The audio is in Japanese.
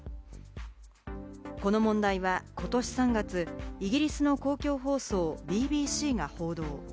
この問題は今年３月、イギリスの公共放送ＢＢＣが報道。